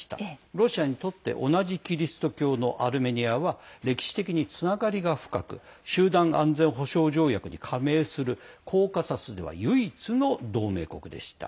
ロシアにとって同じキリスト教のアルメニアは歴史的につながりが深く集団安全保障条約に加盟するコーカサスでは唯一の同盟国でした。